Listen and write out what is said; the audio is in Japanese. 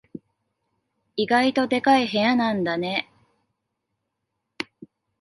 意外とでかい部屋なんだね。